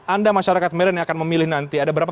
anda masyarakat medan yang akan memilih nanti ada berapa